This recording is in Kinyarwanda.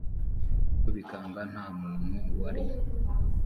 cyo bikanga nta muntu wari